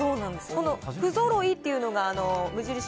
この不揃いっていうのが無印